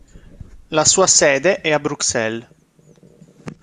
La sua sede è a Bruxelles.